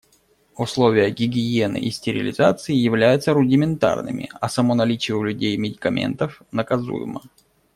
Условия гигиены и стерилизации являются рудиментарными, а само наличие у людей медикаментов наказуемо.